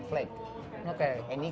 dia menakutkannya margarita